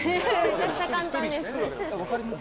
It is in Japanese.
めちゃくちゃ簡単です。